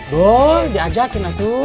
doi diajatin aku